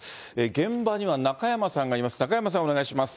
現場には中山さんがいます。